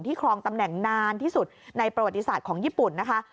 ครองตำแหน่งนานที่สุดในประวัติศาสตร์ของญี่ปุ่นนะคะ